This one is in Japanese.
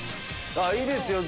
いいですよ。